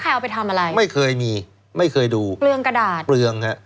เอาไปทำอะไรไม่เคยมีไม่เคยดูเปลืองกระดาษเปลืองฮะ